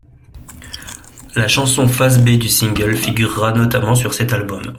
La chanson face-B du single figurera notamment sur cet album.